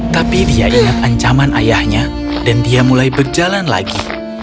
tapi dia ingat ancaman ayahnya dan dia mulai berjalan lagi